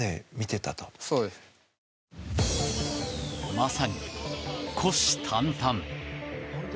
まさに虎視眈々。